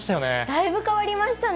だいぶ変わりましたね。